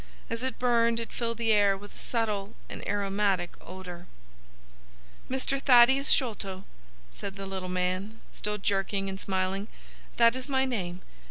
As it burned it filled the air with a subtle and aromatic odour. "Mr. Thaddeus Sholto," said the little man, still jerking and smiling. "That is my name.